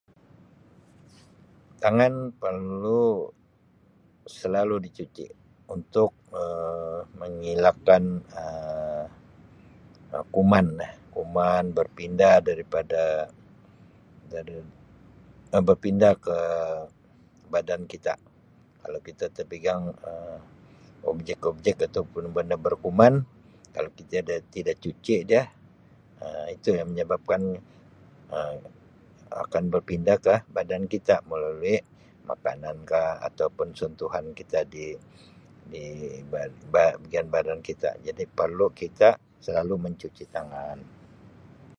Tangan perlu selalu dicuci untuk Um mengelakkan Um kuman kuman berpindah daripada dari Um berpindah ke badan kita kalau kita tepigang Um objek-objek atau pun benda berkuman kalau kita tiada tiada cuci dia Um itu yang menyebabkan Um akan berpindah ke badan kita melalui makanan kah atau pun sentuhan kita di-di ba-bahagian badan kita jad perlu kita selalu mencuci tangan.